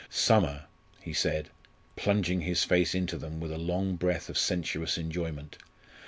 "Summer!" he said, plunging his face into them with a long breath of sensuous enjoyment.